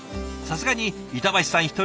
さすがに板橋さん